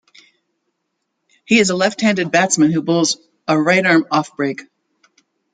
He is a left-handed batsman who bowls a right-arm off break.